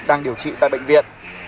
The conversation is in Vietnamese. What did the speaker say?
đang điều trị tại bệnh viện